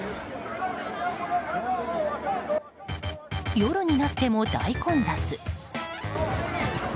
夜になっても大混雑。